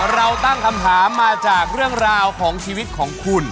เราตั้งคำถามมาจากเรื่องราวของชีวิตของคุณ